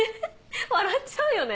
笑っちゃうよね。